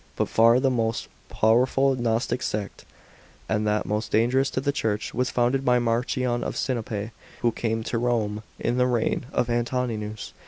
But far the most powerful gnostic sect, and that most dangerous to the Church, was founded by Marcion of Sinope, who came to Rome in the reign of Antoninus.